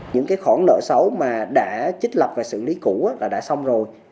những khoản nợ xấu mà đã trích lập và xử lý cũ là đã xong rồi